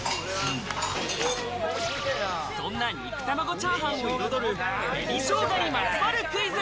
そんな肉玉子チャーハンを彩る、紅生姜にまつわるクイズ。